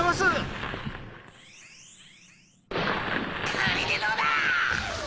これでどうだ！